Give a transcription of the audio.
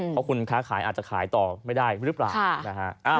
เพราะคุณค้าขายอาจจะขายต่อไม่ได้หรือเปล่านะฮะ